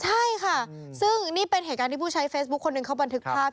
ใช่ค่ะซึ่งนี่เป็นเหตุการณ์ที่ผู้ใช้เฟซบุ๊คคนหนึ่งเขาบันทึกภาพ